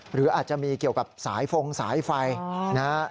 หรืออาจจะมีเกี่ยวกับสายฟงสายไฟนะฮะ